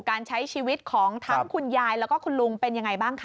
การใช้ชีวิตของทั้งคุณยายแล้วก็คุณลุงเป็นยังไงบ้างคะ